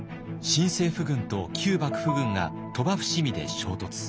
新政府軍と旧幕府軍が鳥羽・伏見で衝突。